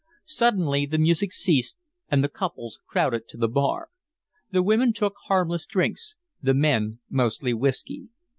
Suddenly the music ceased and the couples crowded to the bar. The women took harmless drinks, the men, mostly whiskey.